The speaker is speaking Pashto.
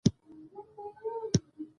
زموږ په ټولنه کې زیات شمیر خرافات شته!